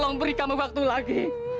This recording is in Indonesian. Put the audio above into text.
tolong beri kamu waktu lagi